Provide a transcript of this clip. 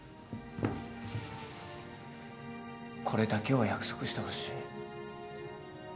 これだけは約束してほしい。